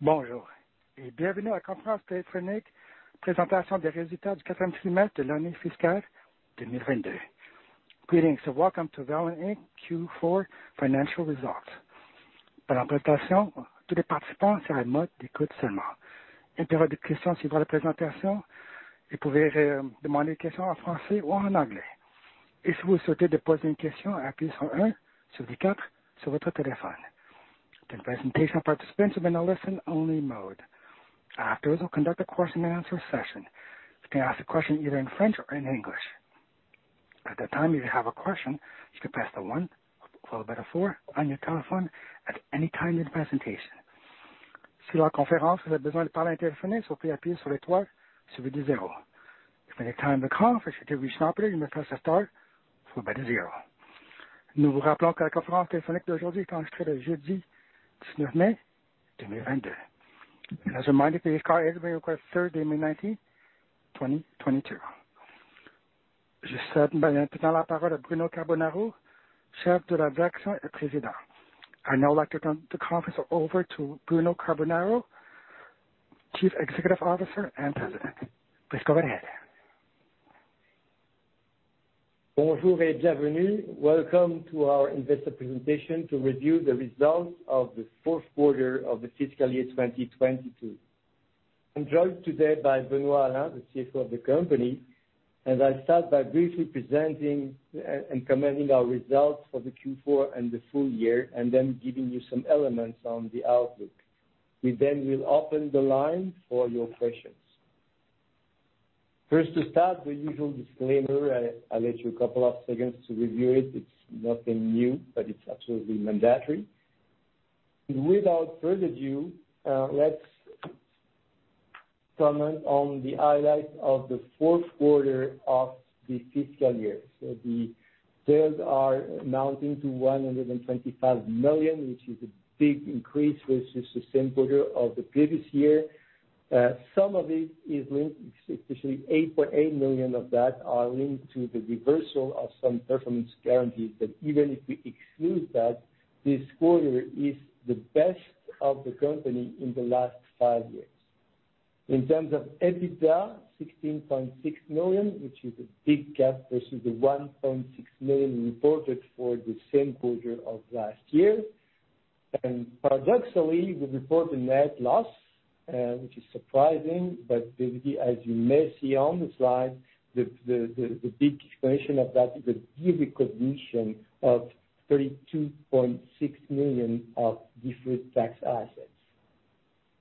Bonjour et bienvenue à la conférence téléphonique. Présentation des résultats du quatrième trimestre de l'année fiscale 2022. Greetings and welcome to Velan Inc. Q4 financial results. Pendant la présentation, tous les participants seront en mode d'écoute seulement. Une période de questions suivra la présentation. Vous pouvez demander les questions en français ou en anglais. Si vous souhaitez poser une question, appuyez sur un suivi quatre sur votre téléphone. During the presentation, participants will be in a listen only mode. Afterwards, we'll conduct a question and answer session. You can ask a question either in French or in English. At that time, if you have a question, you can press the one followed by the four on your telephone at any time in presentation. Si lors de la conférence, vous avez besoin de parler avec un téléphoniste, veuillez appuyer sur l'étoile suivi de zéro. If at any time during the conference you wish to speak with an operator, you may press star followed by the zero. Nous vous rappelons que la conférence téléphonique d'aujourd'hui est enregistrée le jeudi dix-neuf mai deux mille vingt-deux. As a reminder, this call is being recorded Thursday, May 19th, 2022. Je cède maintenant la parole à Bruno Carbonaro, chef de la direction et président. I would now like to turn the conference over to Bruno Carbonaro, Chief Executive Officer and President. Please go ahead. Bonjour et bienvenue. Welcome to our investor presentation to review the results of the fourth quarter of the fiscal year 2022. I'm joined today by Benoit Alain, the CFO of the company, as I start by briefly presenting and commenting our results for the Q4 and the full year, and then giving you some elements on the outlook. We then will open the line for your questions. First, to start, the usual disclaimer. I'll let you a couple of seconds to review it. It's nothing new, but it's absolutely mandatory. Without further ado, let's comment on the highlights of the fourth quarter of the fiscal year. The sales are amounting to 125 million, which is a big increase versus the same quarter of the previous year. Some of it is linked, especially 8.8 million of that, are linked to the reversal of some performance guarantees, but even if we exclude that, this quarter is the best of the company in the last five years. In terms of EBITDA, 16.6 million, which is a big gap versus the 1.6 million we reported for the same quarter of last year. Paradoxically, we report a net loss, which is surprising, but basically, as you may see on the slide, the big explanation of that is the re-recognition of 32.6 million of deferred tax assets.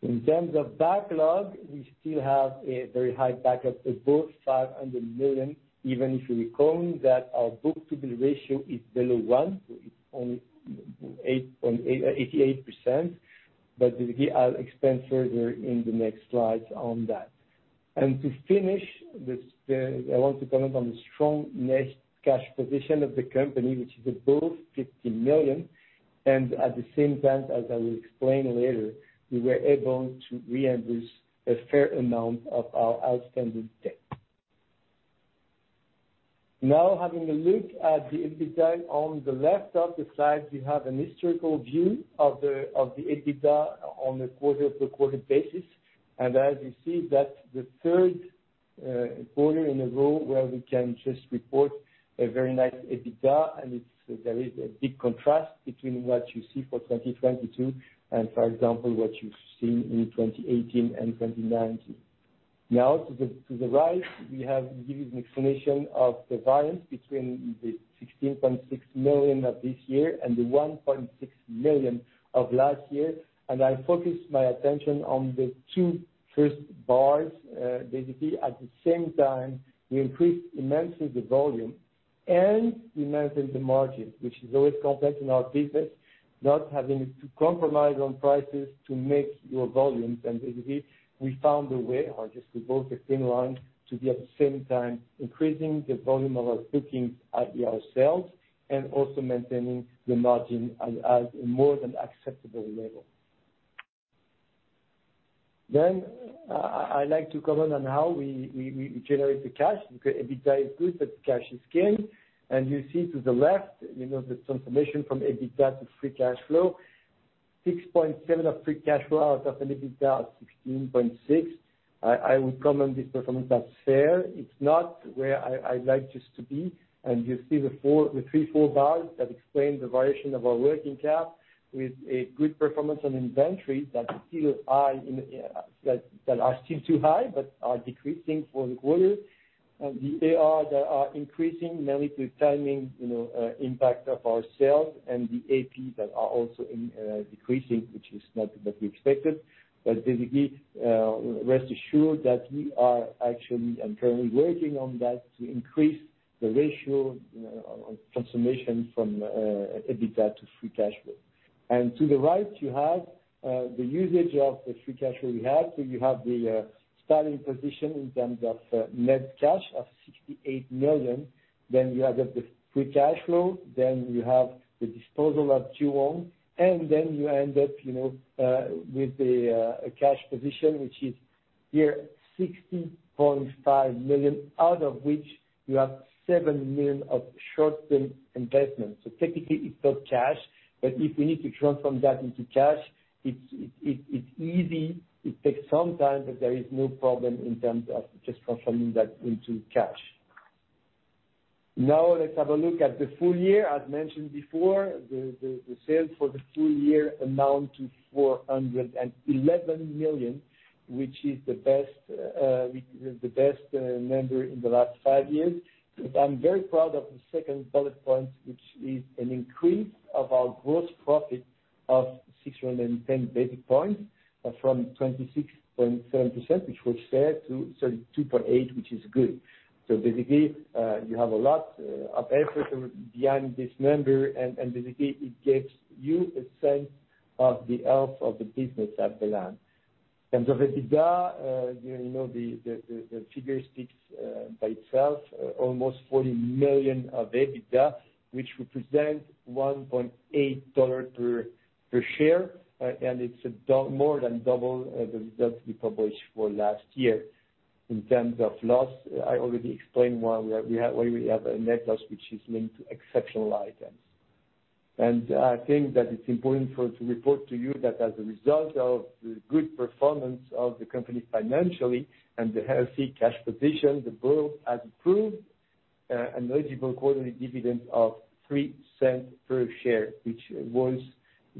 In terms of backlog, we still have a very high backlog above 500 million, even if you recall that our book-to-bill ratio is below one, so it's only 88%. Basically I'll explain further in the next slides on that. To finish this, I want to comment on the strong net cash position of the company, which is above 50 million, and at the same time, as I will explain later, we were able to reimburse a fair amount of our outstanding debt. Now, having a look at the EBITDA on the left of the slide, we have an historical view of the EBITDA on a quarter-to-quarter basis. As you see, that's the third quarter in a row where we can just report a very nice EBITDA. It's. There is a big contrast between what you see for 2022 and for example, what you've seen in 2018 and 2019. Now to the right, we have given an explanation of the variance between the 16.6 million of this year and the 1.6 million of last year. I focus my attention on the two first bars. Basically at the same time, we increased immensely the volume and we maintained the margin, which is always complex in our business, not having to compromise on prices to make your volumes. Basically, we found a way to walk the thin line to be at the same time increasing the volume of our bookings and our sales, and also maintaining the margin at more than acceptable level. I'd like to comment on how we generate the cash because EBITDA is good, but cash is king. You see to the left, you know, the transformation from EBITDA to free cash flow. 6.7 of free cash flow out of an EBITDA of 16.6. I would comment this performance as fair. It's not where I'd like us to be. You see the three, four bars that explain the variation of our working cap with a good performance on inventory that are still too high but are decreasing for the quarter. The AR that are increasing mainly with timing, you know, impact of our sales and the AP that are also decreasing which is not what we expected. Basically, rest assured that we are actually and currently working on that to increase the ratio, you know, of transformation from EBITDA to free cash flow. To the right you have the usage of the free cash flow we have. You have the starting position in terms of net cash of 68 million. Then you have the free cash flow, then you have the disposal of Juwon Steel Co. Ltd, and then you end up, you know, with the cash position which is 60.5 million, out of which you have 7 million of short-term investments. Technically it's not cash, but if we need to transform that into cash, it's easy. It takes some time, but there is no problem in terms of just transforming that into cash. Now let's have a look at the full year. As mentioned before, the sales for the full year amount to 411 million, which is the best number in the last five years. I'm very proud of the second bullet point, which is an increase of our gross profit of 610 basis points from 26.7%, which we said to 32.8%, which is good. You have a lot of effort behind this number and basically it gives you a sense of the health of the business at Velan. In terms of EBITDA, the figure speaks by itself, almost 40 million of EBITDA, which represents $1.8 per share. It's more than double the result we published for last year. In terms of loss, I already explained why we have a net loss which is linked to exceptional items. I think that it's important for to report to you that as a result of the good performance of the company financially and the healthy cash position, the board has approved an eligible quarterly dividend of 0.03 per share, which was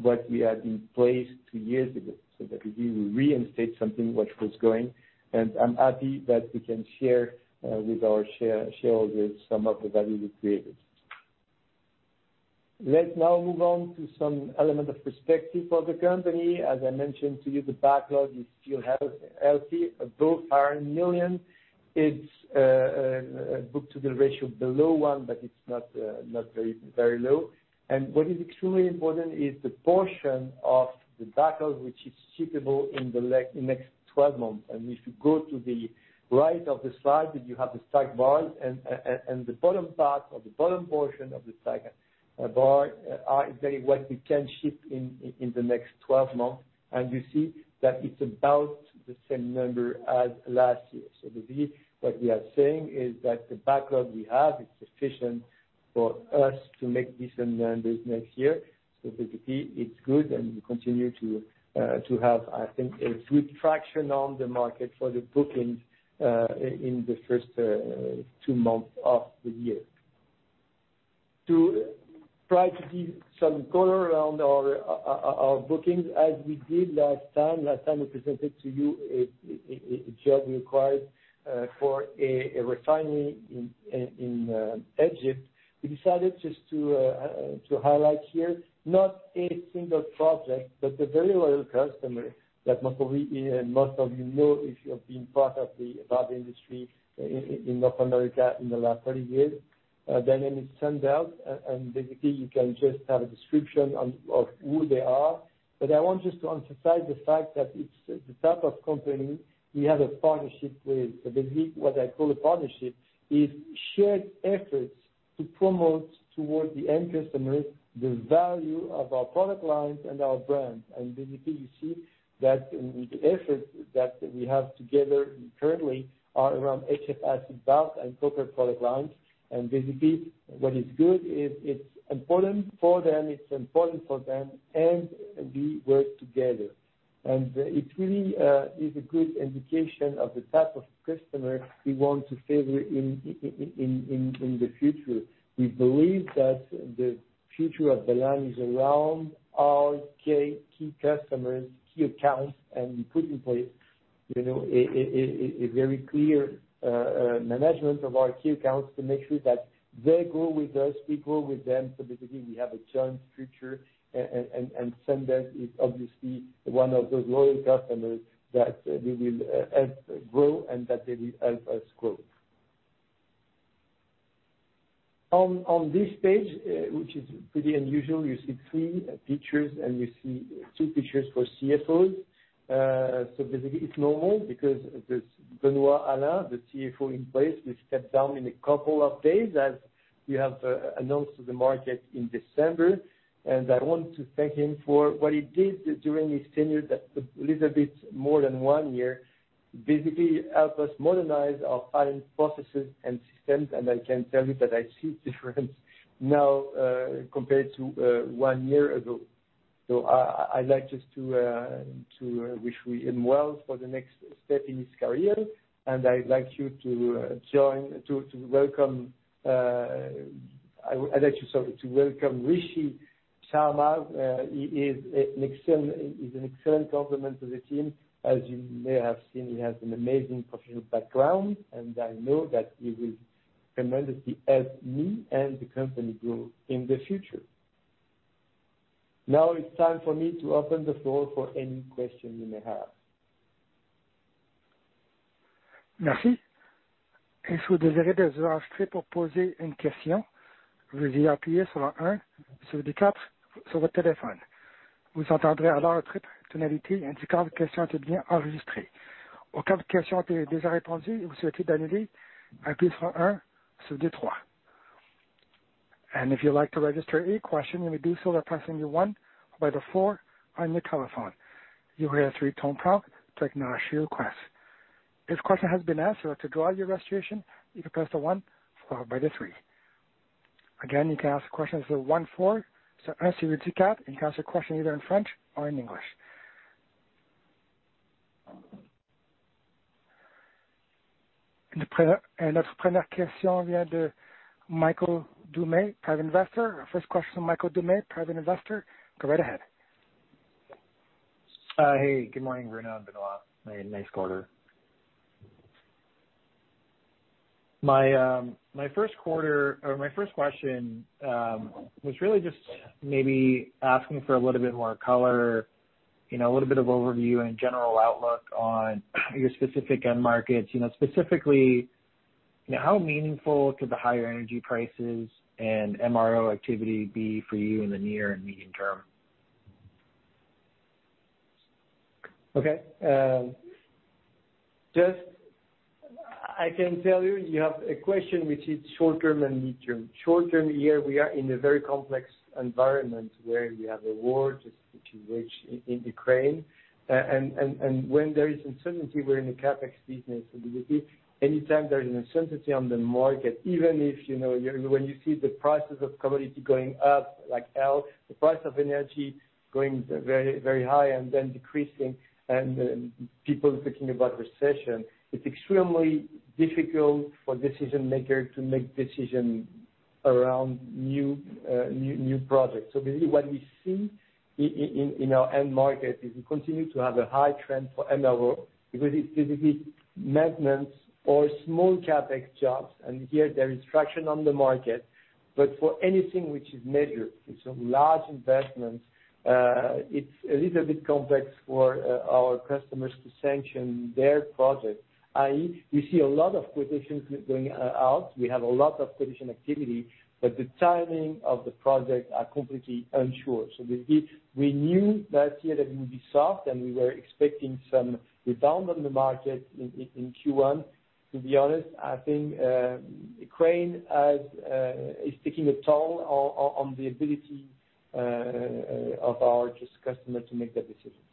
what we had in place two years ago. That we will reinstate something which was going, and I'm happy that we can share with our shareholders some of the value we created. Let's now move on to some element of perspective for the company. As I mentioned to you, the backlog is still healthy. About CAD 80 million. Book-to-bill ratio of 1.0, but it's not very low. What is extremely important is the portion of the backlog, which is shippable in the like next 12 months. If you go to the right of the slide, you have the stack bar and the bottom part or the bottom portion of the stack bar are exactly what we can ship in the next 12 months. You see that it's about the same number as last year. Basically, what we are saying is that the backlog we have is sufficient for us to make decent numbers next year. Basically, it's good and we continue to have, I think, a good traction on the market for the bookings in the first 2 months of the year. To try to give some color around our bookings, as we did last time. Last time we presented to you a job we acquired for a refinery in Egypt. We decided just to highlight here not a single project, but a very loyal customer that most of you know if you have been part of the valve industry in North America in the last 30 years. Their name is Sunbelt, and basically you can just have a description of who they are. I want just to emphasize the fact that it's the type of company we have a partnership with. Basically, what I call a partnership is shared efforts to promote towards the end customers the value of our product lines and our brand. Basically, you see that the efforts that we have together currently are around HFS valves and corporate product lines. Basically, what is good is it's important for them, and we work together. It really is a good indication of the type of customer we want to favor in the future. We believe that the future of Velan is around our key customers, key accounts, and we put in place a very clear management of our key accounts to make sure that they grow with us, we grow with them. Basically we have a joint future and Sunbelt is obviously one of those loyal customers that we will help grow and that they will help us grow. On this page, which is pretty unusual, you see three pictures and you see two pictures for CFOs. Basically it's normal because this Benoit Alain, the CFO in place, will step down in a couple of days as we have announced to the market in December. I want to thank him for what he did during his tenure, that a little bit more than one year, basically helped us modernize our filing processes and systems, and I can tell you that I see a difference now compared to one year ago. I'd like just to wish him well for the next step in his career, and I'd like you to welcome Rishi Sharma. He is an excellent complement to the team. As you may have seen, he has an amazing professional background and I know that he will tremendously help me and the company grow in the future. Now it's time for me to open the floor for any questions you may have. Merci. If you desire to register to ask a question, please press one followed by four on your phone. You will then hear a tone indicating that your question has been registered. If any question has already been answered or you wish to cancel, press one followed by three. If you'd like to register a question, you may do so by pressing the one followed by the four on your telephone. You'll hear a three-tone prompt to acknowledge your request. If your question has been answered, to withdraw your registration, you can press the one followed by the three. Again, you can ask questions one, four. You can ask a question either in French or in English. Michael Dumay, Private Investor. First question, Michael Dumay, Private Investor. Go right ahead. Hey, good morning, Bruno and Benoit. Nice quarter. My first question was really just maybe asking for a little bit more color, you know, a little bit of overview and general outlook on your specific end markets. You know, specifically, you know, how meaningful could the higher energy prices and MRO activity be for you in the near and medium term? Okay. Just I can tell you have a question which is short-term and mid-term. Short-term, here we are in a very complex environment where we have a war just between Russia and Ukraine. When there is uncertainty, we're in a CapEx business, so basically any time there is an uncertainty on the market, even if, you know, when you see the prices of commodity going up, like oil, the price of energy going very, very high and then decreasing and, people thinking about recession, it's extremely difficult for decision maker to make decision around new projects. Basically what we see in, you know, end market, is we continue to have a high trend for MRO because it's basically maintenance or small CapEx jobs, and here there is traction on the market. For anything which is major, which are large investments, it's a little bit complex for our customers to sanction their project, i.e., we see a lot of positions going out. We have a lot of position activity, but the timing of the projects are completely unsure. Basically, we knew last year that it would be soft and we were expecting some rebound on the market in Q1. To be honest, I think Ukraine is taking a toll on the ability of our customers to make that decision.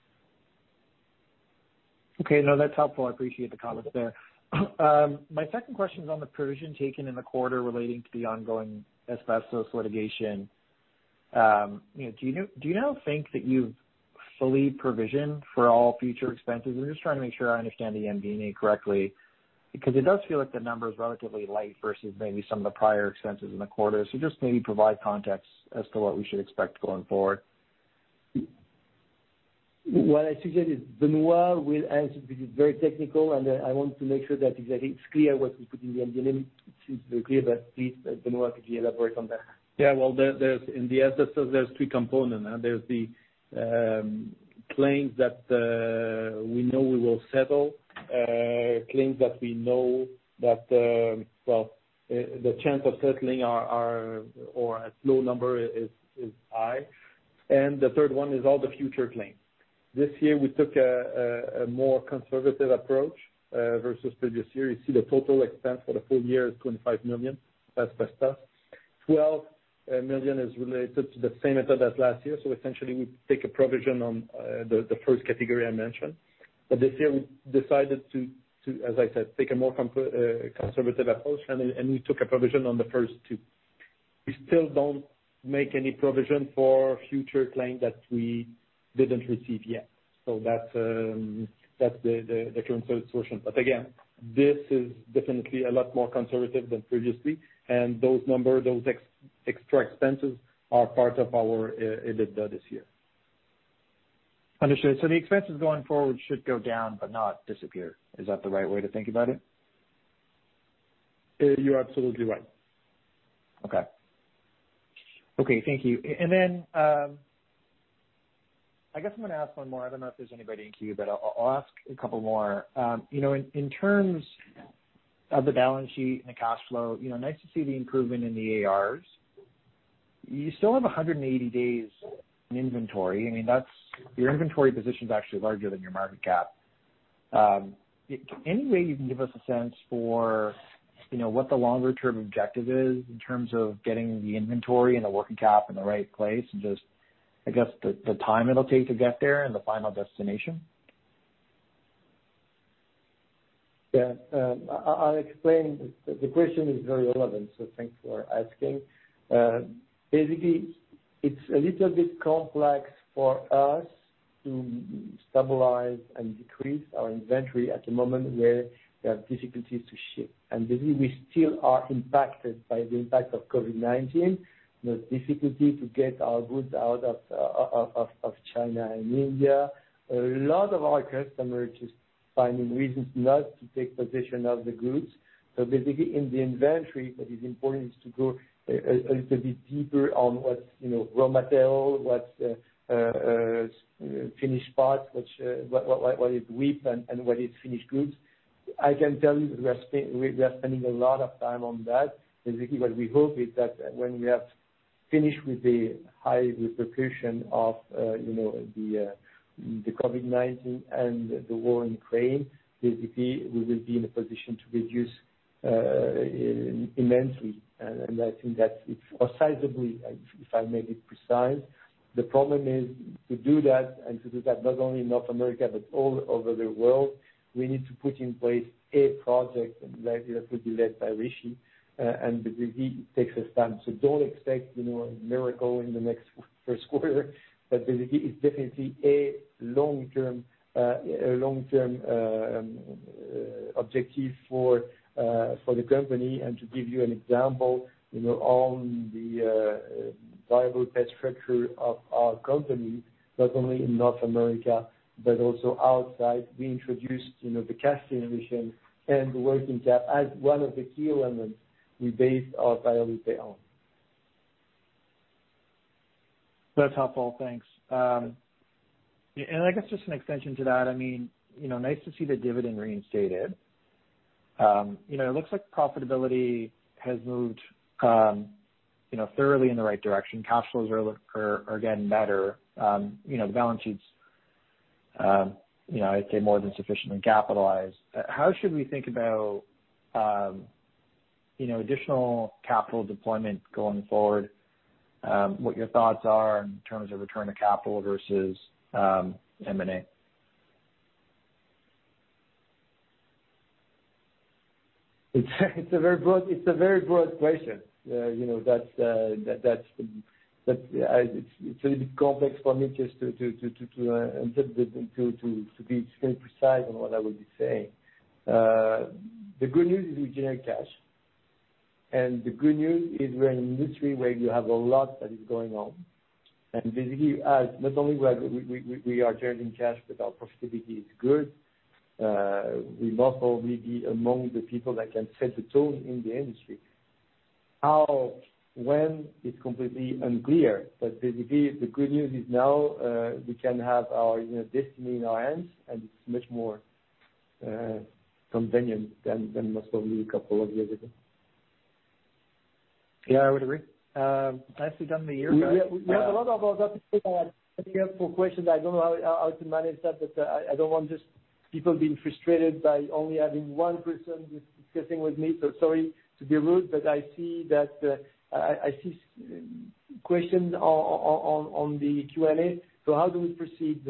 Okay. No, that's helpful. I appreciate the comments there. My second question is on the provision taken in the quarter relating to the ongoing asbestos litigation. You know, do you now think that you've fully provisioned for all future expenses? I'm just trying to make sure I understand the MD&A correctly, because it does feel like the number is relatively light versus maybe some of the prior expenses in the quarter. Just maybe provide context as to what we should expect going forward. What I suggest is Benoit will answer, because it's very technical, and I want to make sure that, exactly, it's clear what we put in the MD&A. It's clear, but please, Benoit, could you elaborate on that? In the asbestos, there's three components. There's the claims that we know we will settle, claims that we know the chance of settling is high. The third one is all the future claims. This year we took a more conservative approach versus previous year. You see the total expense for the full year is 25 million asbestos. 12 million is related to the same method as last year. Essentially we take a provision on the first category I mentioned. This year we decided to, as I said, take a more conservative approach and we took a provision on the first two. We still don't make any provision for future claim that we didn't receive yet. That's the current solution. This is definitely a lot more conservative than previously. Those numbers, those extra expenses are part of our EBITDA this year. Understood. The expenses going forward should go down but not disappear. Is that the right way to think about it? You're absolutely right. Okay. Okay, thank you. Then, I guess I'm gonna ask one more. I don't know if there's anybody in queue, but I'll ask a couple more. You know, in terms of the balance sheet and the cash flow, you know, nice to see the improvement in the ARs. You still have 180 days in inventory. I mean, that's your inventory position is actually larger than your market cap. Any way you can give us a sense for, you know, what the longer term objective is in terms of getting the inventory and the working cap in the right place? Just, I guess, the time it'll take to get there and the final destination. Yeah. I'll explain. The question is very relevant, so thanks for asking. Basically, it's a little bit complex for us to stabilize and decrease our inventory at the moment where we have difficulties to ship. Basically, we still are impacted by the impact of COVID-19. The difficulty to get our goods out of China and India. A lot of our customers just finding reasons not to take possession of the goods. Basically, in the inventory, what is important is to go a little bit deeper on what's, you know, raw material, what's finished parts, what is WIP and what is finished goods. I can tell you we are spending a lot of time on that. Basically, what we hope is that when we finish with the high repercussions of, you know, the COVID-19 and the war in Ukraine, basically, we will be in a position to reduce immensely, and I think that it's or sizably, if I made it precise. The problem is to do that, and to do that not only in North America but all over the world, we need to put in place a project and that could be led by Rishi, and basically takes his time. So don't expect, you know, a miracle in the next first quarter. Basically, it's definitely a long-term objective for the company. To give you an example, you know, on the variable cost structure of our company, not only in North America, but also outside, we introduced, you know, the cash conversion and working cap as one of the key elements we based our viability on. That's helpful. Thanks. I guess just an extension to that, I mean, you know, nice to see the dividend reinstated. You know, it looks like profitability has moved, you know, thoroughly in the right direction. Cash flows are getting better. You know, the balance sheets, you know, I'd say more than sufficiently capitalized. How should we think about, you know, additional capital deployment going forward, what your thoughts are in terms of return to capital versus, M&A? It's a very broad question. You know, that's the, yeah, it's a little bit complex for me just to interpret it to be extremely precise on what I would be saying. The good news is we generate cash. The good news is we're in an industry where you have a lot that is going on. Basically, not only are we generating cash, but our profitability is good. We must all be among the people that can set the tone in the industry. How, when it's completely unclear. Basically, the good news is now we can have our, you know, destiny in our hands, and it's much more convenient than most only a couple of years ago. Yeah, I would agree. Nicely done the year. We have a lot of other people that have helpful questions. I don't know how to manage that, but I don't want just people being frustrated by only having one person discussing with me. Sorry to be rude, but I see that I see questions on the Q&A. How do we proceed?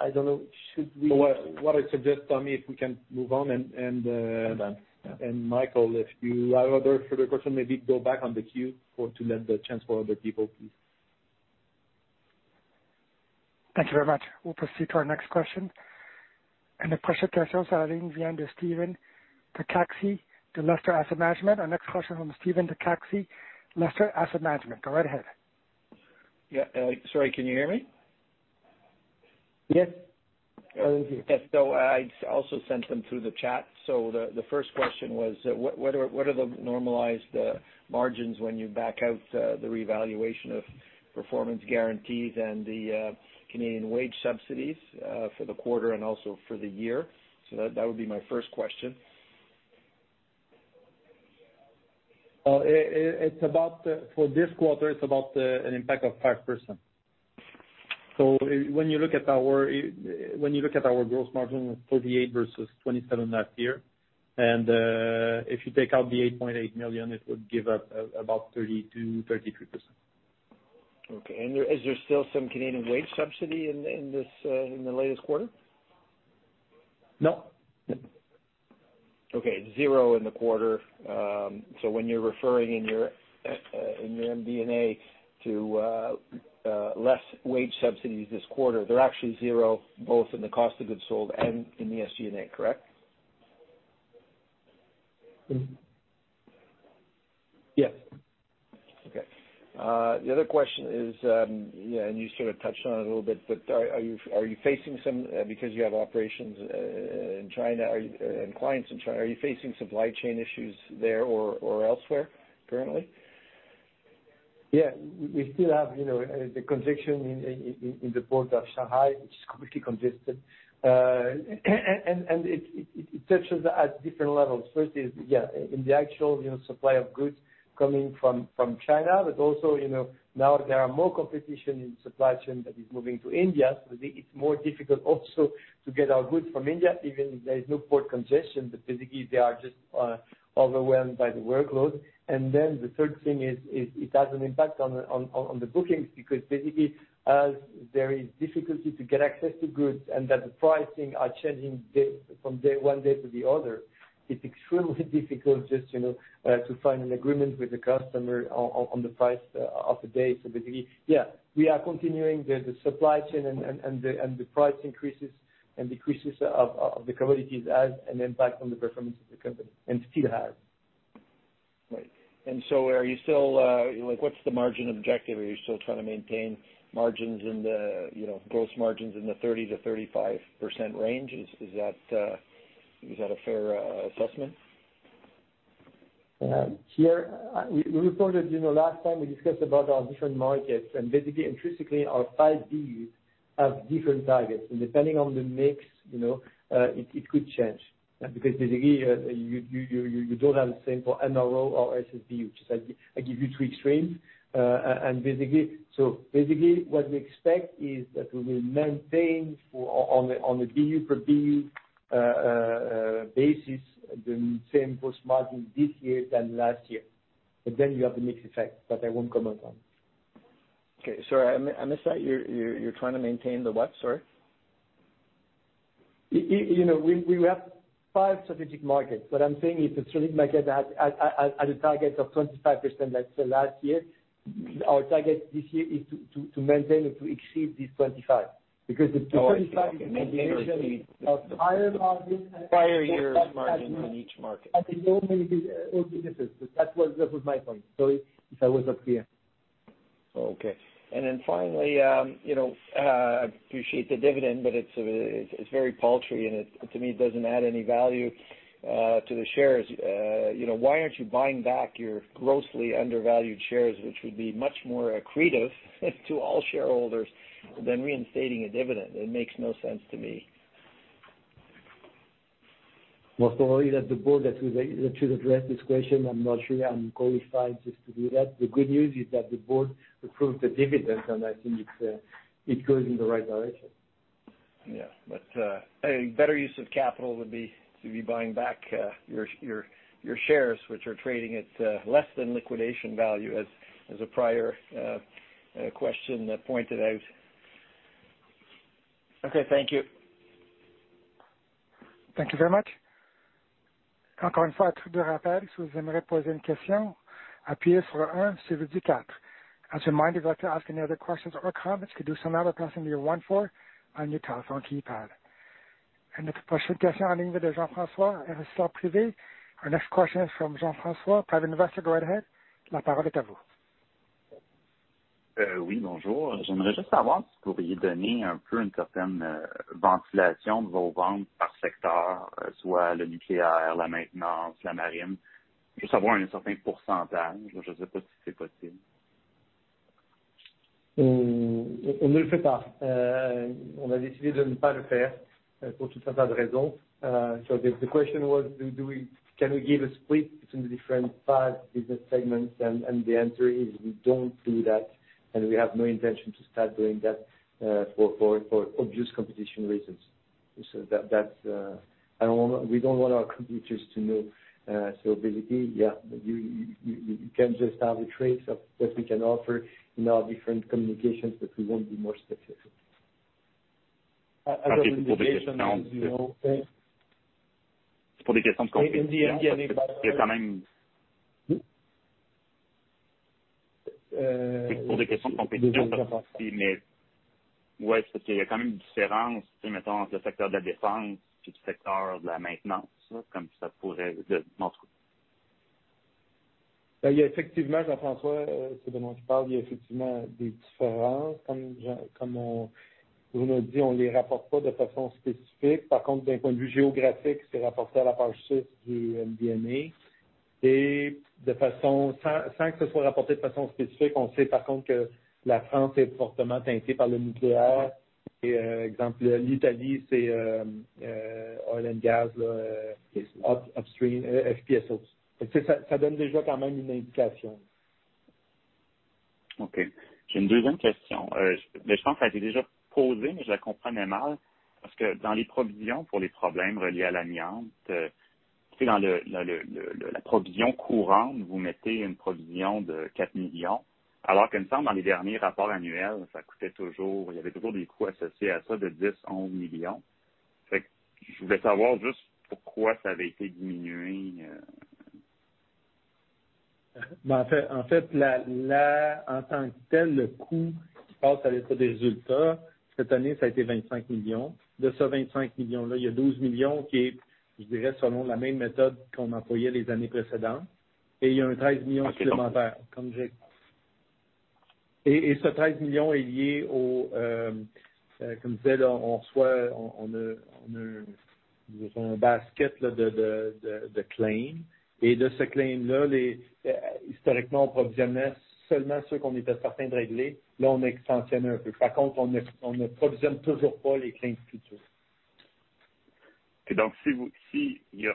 I don't know. Should we? What I suggest, Dumay, if we can move on and Move on. Yeah. Michael, if you have other further question, maybe go back on the queue to let the chance for other people, please. Thank you very much. We'll proceed to our next question. The question comes from the line of Stephen Takacsy at Lester Asset Management. Our next question from Stephen Takacsy, Lester Asset Management. Go right ahead. Yeah, sorry, can you hear me? Yes. I also sent them through the chat. The first question was what are the normalized margins when you back out the revaluation of performance guarantees and the Canadian wage subsidies for the quarter and also for the year? That would be my first question. It's about an impact of 5% for this quarter. When you look at our gross margin of 38% versus 27% last year, and if you take out the 8.8 million, it would give you about 32%-33%. Okay. Is there still some Canadian wage subsidy in this, in the latest quarter? No. Okay. Zero in the quarter. When you're referring in your MD&A to less wage subsidies this quarter, they're actually zero both in the cost of goods sold and in the SG&A, correct? Yes. Okay. The other question is, yeah, and you sort of touched on it a little bit, but are you facing some, because you have operations in China and clients in China, are you facing supply chain issues there or elsewhere currently? Yeah. We still have, you know, the conviction in the port of Shanghai, which is completely congested. It touches at different levels. First is, yeah, in the actual, you know, supply of goods coming from China. Also, you know, now there are more competition in supply chain that is moving to India, so it's more difficult also to get our goods from India, even if there is no port congestion, but basically they are just overwhelmed by the workload. The third thing is it has an impact on the bookings because basically as there is difficulty to get access to goods and that the pricing are changing from one day to the other, it is extremely difficult just, you know, to find an agreement with the customer on the price of the day. Basically, yeah, we are continuing the supply chain and the price increases and decreases of the commodities has an impact on the performance of the company and still has. Right. Are you still, like, what's the margin objective? Are you still trying to maintain margins in the, you know, gross margins in the 30%-35% range? Is that a fair assessment? Here we reported, you know, last time we discussed about our different markets and basically intrinsically our five BUs have different targets. Depending on the mix, you know, it could change. Because basically, you don't have the same for MRO or SBU. I give you two extremes. Basically, what we expect is that we will maintain for on a BU per BU basis, the same gross margin this year than last year. Then you have the mix effect that I won't comment on. Okay. Sorry. I missed that. You're trying to maintain the what? Sorry. You know, we have five strategic markets, but I'm saying if a strategic market has a target of 25%, let's say last year, our target this year is to maintain or to exceed this 25. Because the 25 is a combination of higher margin- Prior year's margin on each market. At the moment, it is all businesses. That was my point. Sorry if that was not clear. Okay. Finally, you know, I appreciate the dividend, but it's very paltry, and it, to me, doesn't add any value to the shares. You know, why aren't you buying back your grossly undervalued shares, which would be much more accretive to all shareholders than reinstating a dividend? It makes no sense to me. Most probably, that's the board that should address this question. I'm not sure I'm qualified just to do that. The good news is that the board approved the dividend, and I think it's, it goes in the right direction. A better use of capital would be to be buying back your shares, which are trading at less than liquidation value, as a prior question pointed out. Okay. Thank you. Thank you very much. Ask any other questions or comments. Could do so now by pressing your 1 4 on your telephone keypad. Our next question comes from Jean-François, private investor. Go ahead. Est-ce qu'on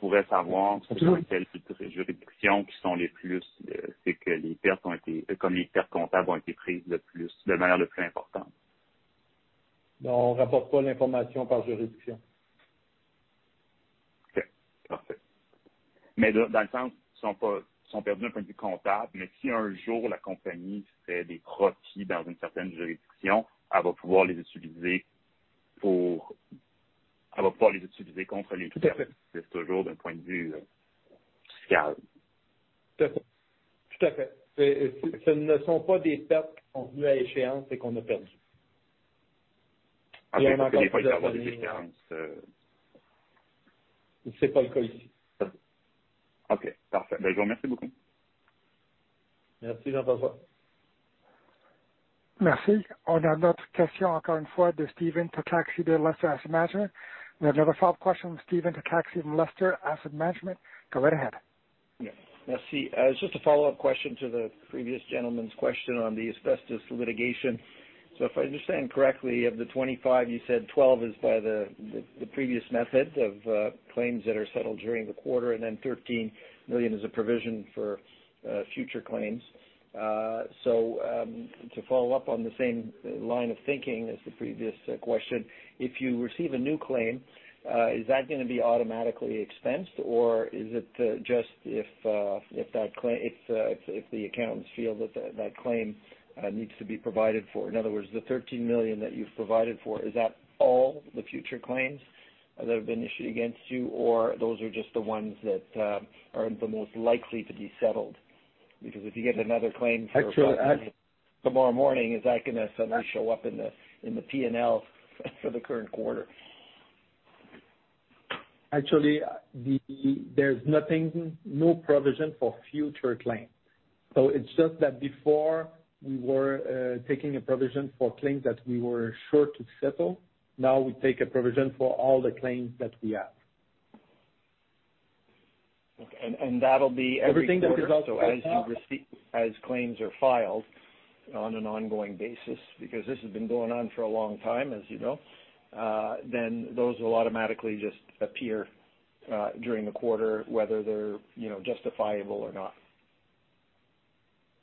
pourrait savoir quelles sont les juridictions qui sont les plus, c'est que les pertes ont été, comme les pertes comptables ont été prises le plus, de manière le plus importante? Non, on rapporte pas l'information par juridiction. Ok, parfait. Dans le sens, sont pas perdus d'un point de vue comptable, si un jour la compagnie fait des profits dans une certaine juridiction, elle va pouvoir les utiliser contre les pertes. Tout à fait. C'est toujours d'un point de vue fiscal. Tout à fait. Ce ne sont pas des pertes qui sont venues à échéance et qu'on a perdues. Des fois, il y a des différences. C'est pas le cas ici. OK, parfait. Benoit, je vous remercie beaucoup. Merci d'avoir Merci. On a une autre question encore une fois de Stephen Takacsy de Lester Asset Management. We have another follow up question, Stephen Takacsy from Lester Asset Management. Go right ahead. Merci. Just a follow-up question to the previous gentleman's question on the asbestos litigation. If I understand correctly, of the 25, you said 12 is by the previous method of claims that are settled during the quarter and then 13 million is a provision for future claims. To follow up on the same line of thinking as the previous question, if you receive a new claim, is that gonna be automatically expensed or is it just if the accountants feel that that claim needs to be provided for? In other words, the 13 million that you've provided for, is that all the future claims that have been issued against you or those are just the ones that are the most likely to be settled? Because if you get another claim tomorrow morning, is that gonna suddenly show up in the P&L for the current quarter? Actually, there's nothing, no provision for future claims. It's just that before we were taking a provision for claims that we were sure to settle. Now, we take a provision for all the claims that we have. That'll be every quarter. Everything that is out so far. As you receive, as claims are filed on an ongoing basis, because this has been going on for a long time, as you know, then those will automatically just appear during the quarter, whether they're, you know, justifiable or not.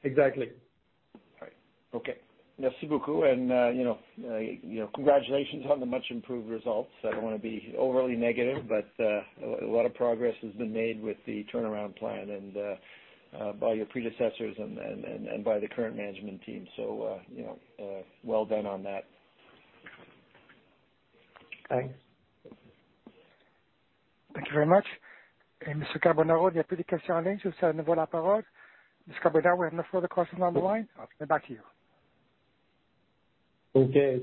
Exactly. All right. Okay. Merci beaucoup. You know, congratulations on the much improved results. I don't wanna be overly negative, but a lot of progress has been made with the turnaround plan and by your predecessors and by the current management team. You know, well done on that. Thanks. Thank you very much. Monsieur Carbonaro, il n'y a plus de questions en ligne. Je vous cède de nouveau la parole. Mr. Carbonaro, we have no further questions on the line. Back to you. Ok.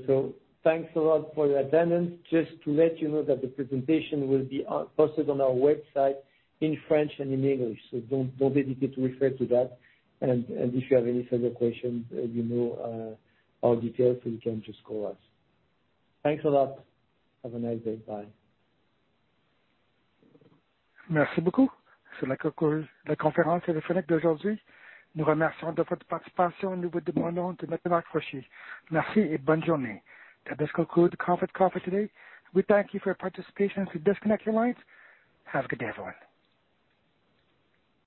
Thanks a lot for your attendance. Just to let you know that the presentation will be posted on our website in French and in English, so don't hesitate to refer to that. If you have any further questions, you know, our details, so you can just call us. Thanks a lot. Have a nice day. Bye Merci beaucoup. Cela conclut la conférence téléphonique d'aujourd'hui. Nous vous remercions de votre participation. Nous vous demandons de bien vouloir décrocher. Merci et bonne journée. That does conclude the conference call for today. We thank you for your participation. Please disconnect your lines. Have a good day, everyone.